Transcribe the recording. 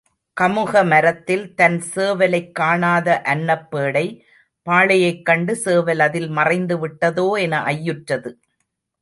கமுக மரத்தில் தன் சேவலைக் காணாத அன்னப்பேடை பாளையைக் கண்டு சேவல் அதில் மறைந்து விட்டதோ என ஐயுற்றது.